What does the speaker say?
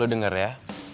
lo dengar ya